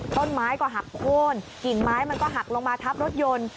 ต้นไม้ก็หักโค้นกิ่งไม้มันก็หักลงมาทับรถยนต์